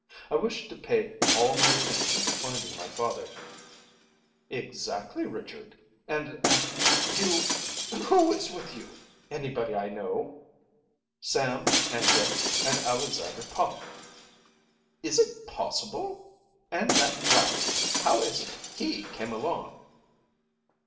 "I wish to pay all my attention to finding my father." "Exactly, Richard and er you who is with you? Anybody I know?" "Sam and Dick and Alexander Pop." "Is it possible! And that black, how is it he came along?"